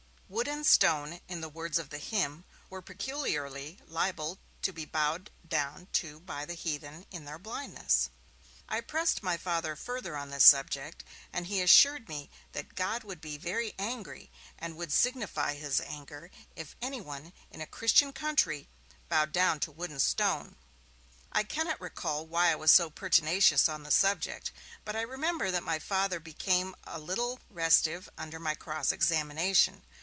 Wood and stone, in the words of the hymn, were peculiarly liable to be bowed down to by the heathen in their blindness. I pressed my Father further on this subject, and he assured me that God would be very angry, and would signify His anger, if anyone, in a Christian country, bowed down to wood and stone. I cannot recall why I was so pertinacious on this subject, but I remember that my Father became a little restive under my cross examination.